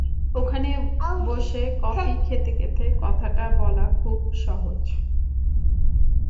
ওখানে বসে কফি খেতে খেতে কথাটা বলা খুব সহজ!